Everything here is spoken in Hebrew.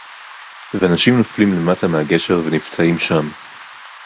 ואנשים נופלים למטה מהגשר ונפצעים שם